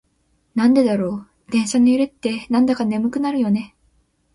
なんでだろう、電車の揺れってなんだか眠くなるよね。